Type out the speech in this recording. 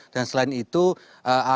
dan selain itu ada